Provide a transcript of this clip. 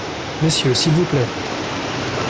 Messieurs, s'il vous plaît!